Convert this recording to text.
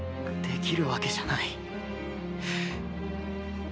できるわけじゃないッ！